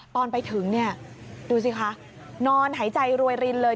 ตอนไปถึงเนี่ยดูสิคะนอนหายใจรวยรินเลย